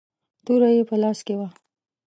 توره يې په لاس کې وه.